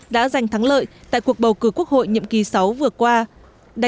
đã giành thắng lợi tại cuộc bầu cử quốc hội nhiệm kỳ sáu vừa qua